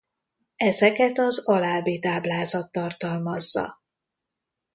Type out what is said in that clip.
Ezeket az alábbi táblázat tartalmazza.